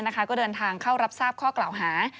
ก็เดินทางเข้ารับทราบข้อกล่าวหา